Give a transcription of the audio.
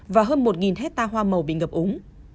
và hơn một hecta hoa màu bị ngập úng